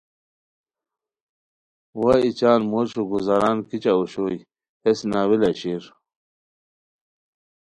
وا ای چان موشو گزاران کیچہ اوشوئے ہیس ناولہ شیر